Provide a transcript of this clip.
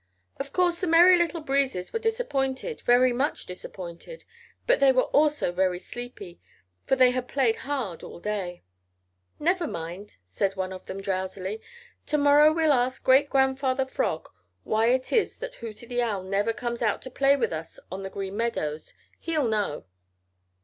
Of course the Merry Little Breezes were disappointed, very much disappointed. But they were also very sleepy, for they had played hard all day. "Never mind," said one of them, drowsily, "to morrow we'll ask Great Grandfather Frog why it is that Hooty the Owl never comes out to play with us on the Green Meadows. He'll know."